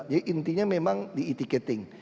jadi intinya memang di e ticketing